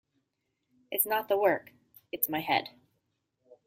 It’s not the work — it’s my head.